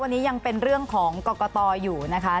วันนี้ยังเป็นเรื่องของกรกตอยู่นะคะ